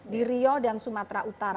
di rio dan sumatera utara